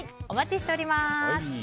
お待ちしております。